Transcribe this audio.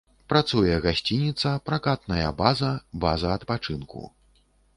Працуе гасцініца, пракатная база, база адпачынку.